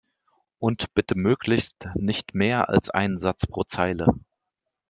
Und bitte möglichst nicht mehr als ein Satz pro Zeile!